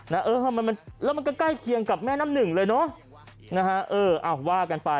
เออมันมันแล้วมันก็ใกล้เคียงกับแม่น้ำหนึ่งเลยเนอะนะฮะเออเอาว่ากันไป